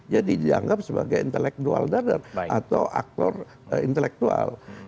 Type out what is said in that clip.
dia dianggap sebagai intelektual dan atau aktor intelektual